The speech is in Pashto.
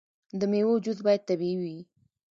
د میوو جوس باید طبیعي وي.